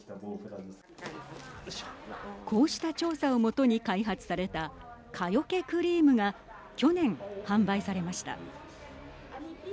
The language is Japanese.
こうした調査を基に開発された蚊よけクリームが去年販売されました。